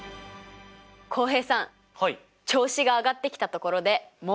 浩平さん調子が上がってきたところで問題です！